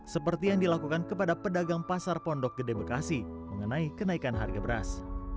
seperti yang dilakukan kepada pedagang pasar pondok gede bekasi mengenai kenaikan harga beras